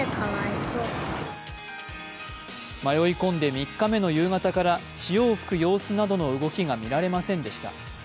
迷い混んで３日目の夕方から潮を吹く様子などの動きが見られませんでした。